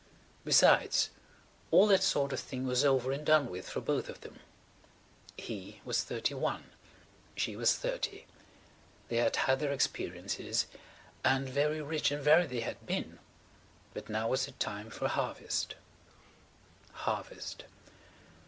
Besides, all that sort of thing was over and done with for both of them–he was thirty one, she was thirty–they had had their experiences, and very rich and varied they had been, but now was the time for harvest–harvest.